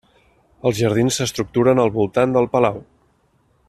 Els jardins s'estructuren al voltant del palau.